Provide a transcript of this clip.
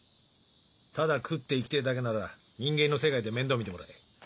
ただ食っていきてぇだけなら人間の世界で面倒見てもらえ。